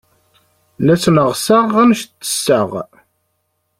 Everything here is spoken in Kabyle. La sneɣseɣ anect tesseɣ.